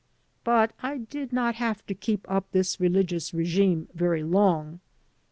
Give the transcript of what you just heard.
But I did not have to keep up this religious regimen very long.